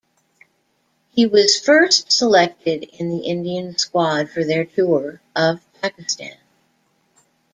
He was first selected in the Indian squad for their tour of Pakistan.